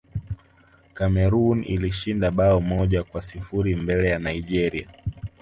cameroon ilishinda bao moja kwa sifuri mbele ya nigeria